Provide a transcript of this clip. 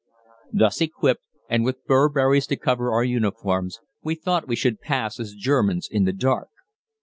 Thus equipped, and with Burberrys to cover our uniforms, we thought we should pass as Germans in the dark.